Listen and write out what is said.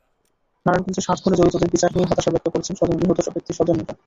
নারায়ণগঞ্জে সাত খুনে জড়িতদের বিচার নিয়ে হতাশা ব্যক্ত করেছেন নিহত ব্যক্তিদের স্বজনেরা।